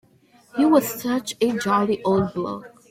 He was such a jolly old bloke.